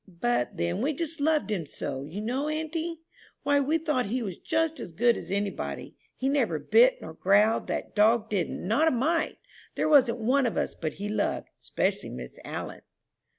"But then we just loved him so, you know, auntie! Why, we thought he was just as good as any body. He never bit nor growled, that dog didn't, not a mite. There wasn't one of us but he loved, 'specially Miss All'n."